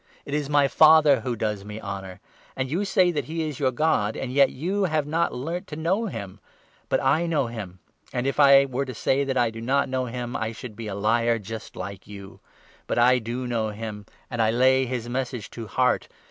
It is my Father who does me honour — and you say that he is your God ; and yet you have not learnt 55 to know him ; but I know him ; and, if I were to say that I do not know him, I should be a liar like you ; but I do know him, and I lay his Message to heart.